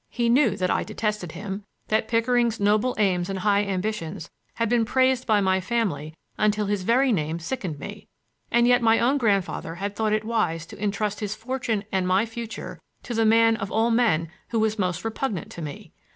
He knew that I detested him, that Pickering's noble aims and high ambitions had been praised by my family until his very name sickened me; and yet my own grandfather had thought it wise to intrust his fortune and my future to the man of all men who was most repugnant to me.